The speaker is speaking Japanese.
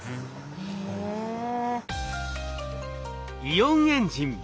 イオンエンジン